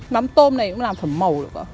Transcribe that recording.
mắm tôm này cũng làm phẩm màu được ạ